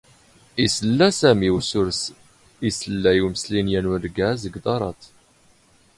ⵉⵙⵍⵍⴰ ⵙⴰⵎⵉ ⵉ ⵓⵙⵓⵙⵔ ⵉⵙⵍⵍ ⵉ ⵓⵎⵙⵍⵉ ⵏ ⵢⴰⵏ ⵓⵔⴳⴰⵣ ⴳ ⴹⴰⵕⴰⵜ.